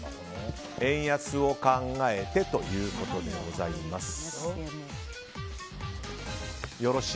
円安を考えてということでございます。